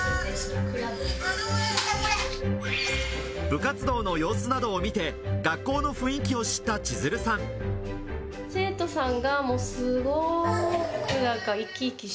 部活動の様子などを見て、学校の雰囲気を知った千鶴さん。